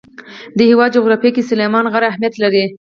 د هېواد جغرافیه کې سلیمان غر اهمیت لري.